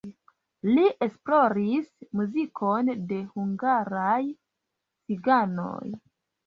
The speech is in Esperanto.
Li esploris muzikon de hungaraj ciganoj.